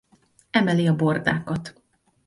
Emeli a bordákat.